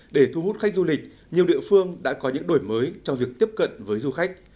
để thu hút khách du lịch nhiều địa phương đã có những đổi mới trong việc tiếp cận với du khách